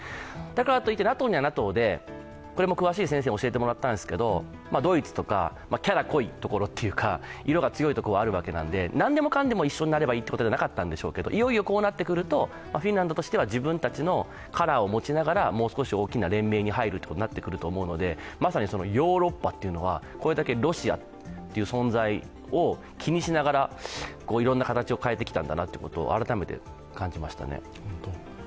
だからといってＮＡＴＯはＮＡＴＯでこれも詳しい先生に教えてもらったんですけど、ドイツとか、キャラ濃いところというか、色が強いところもあるわけで何でもかんでも一緒になればいいというわけではなかったんでしょうけれども、いよいよこうなってくるとフィンランドとしては自分たちのカラーを持ちながらもう少し大きな連盟に入るということになってくると思うのでまさにヨーロッパっていうのはこれだけ「ロシア」という存在を気にしながらいろいろな形を変えてきたんだなということを改めて感じましたね。